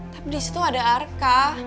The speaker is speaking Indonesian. tapi disitu ada arka